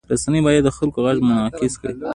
رسنۍ باید د خلکو غږ منعکس کړي.